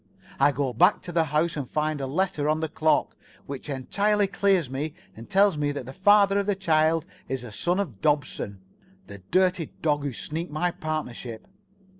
I go back to the house and find a letter on the clock, which entirely clears me and tells me that the father of the child is the son of Dobson, the dirty dog who sneaked my partnership.